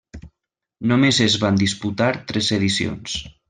Només es van disputar tres edicions.